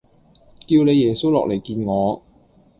叫你耶穌落嚟見我